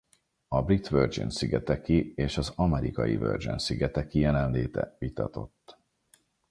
A Brit Virgin-szigeteki és az Amerikai Virgin-szigeteki jelenléte vitatott.